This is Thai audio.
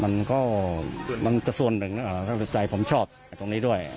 มันก็มันก็ส่วนหนึ่งนะแต่ผมชอบจริงตรงนี้ด้วย